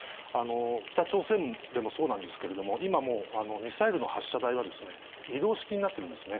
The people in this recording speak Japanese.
北朝鮮でもそうなんですけれども、今もう、ミサイルの発射台が移動式になっているんですね。